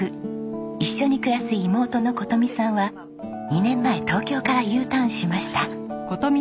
一緒に暮らす妹の琴美さんは２年前東京からＵターンしました。